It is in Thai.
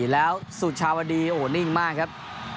แล้วสุชาวดีโอ้โหนิ่งมากครับ